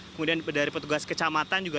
kemudian dari petugas kecamatan juga